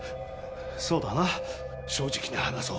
そうだな正直に話そう。